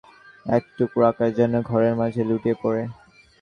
ভারী ব্লাইন্ড টেনে সরিয়ে দিলে একটুকরো আকাশ যেন ঘরের মাঝে লুটিয়ে পড়ে।